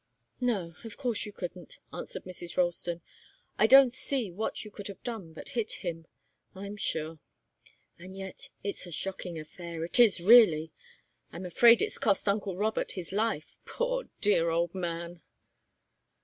"No of course you couldn't," answered Mrs. Ralston. "I don't see what you could have done but hit him, I'm sure. And yet it's a shocking affair it is, really. I'm afraid it's cost uncle Robert his life, poor, dear old man!"